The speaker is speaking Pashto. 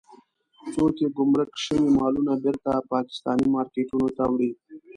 څوک يې ګمرک شوي مالونه بېرته پاکستاني مارکېټونو ته وړي.